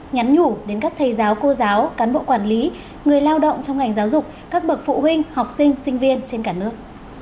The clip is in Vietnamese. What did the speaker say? nhắn nhủ đến các thầy giáo cô giáo cán bộ quản lý người lao động trong ngành giáo dục các bậc phụ huynh học sinh sinh viên trên cả nước